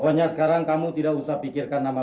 pokoknya sekarang kamu tidak usah pikirkan nama